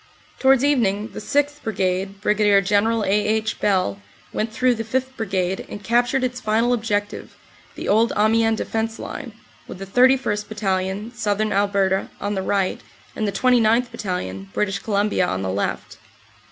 Towards evening the 6th. Brigade, Brig. General A. H. Bell, went through the 5th. Brigade and captured its final objective, the old Amiens defense line, with the 31st. Battalion, Southern Alberta, on the right, and the 29th. Battalion, British Columbia, on the left.